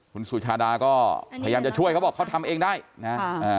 คุณสุชาดาก็พยายามจะช่วยเขาบอกเขาทำเองได้นะฮะอ่า